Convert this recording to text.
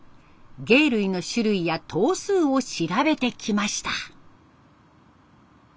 鯨類の種類や頭数を調べてきました。